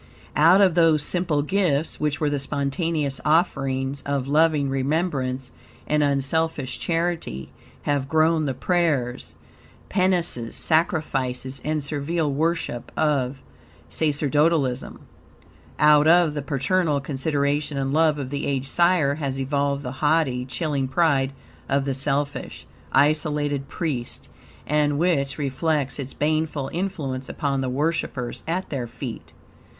Out of those simple gifts, which were the spontaneous offerings of loving remembrance and unselfish charity, have grown the prayers, penances, sacrifices, and servile worship, of sacerdotalism. Out of the paternal consideration and love of the aged sire has evolved the haughty, chilling pride of the selfish, isolated priest, and which reflects its baneful influence upon the worshipers at their feet.